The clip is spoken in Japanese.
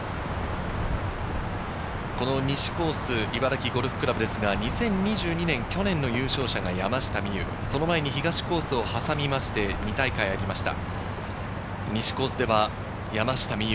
西コース、茨城ゴルフ倶楽部ですが、２０２２年、去年の優勝者が山下美夢有、その前に東コースを挟みまして２大会ありました。